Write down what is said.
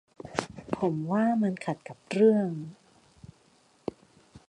ผมว่ามันขัดกับเรื่อง